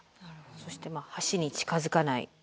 そしてまあ「橋に近づかない」。